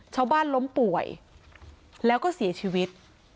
ชาวบ้านล้มป่วยแล้วก็เสียชีวิต